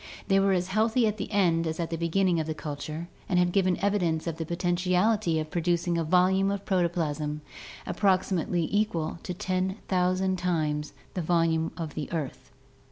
They were as healthy at the end as at the beginning of the culture and had given evidence of the potentiality of producing a volume of protoplasm approximately equal to ten thousand times the volume of the earth!